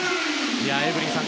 エブリンさん